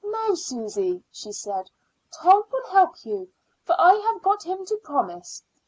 "Now, Susy," she said, "Tom will help you, for I have got him to promise.